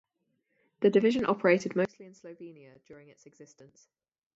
The division operated mostly in Slovenia during its existence.